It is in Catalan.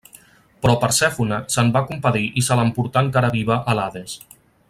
Però Persèfone se'n va compadir i se l'emportà encara viva a l'Hades.